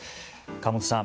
川本さん